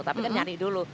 tapi kan nyari dulu